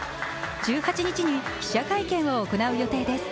１８日に記者会見を行う予定です。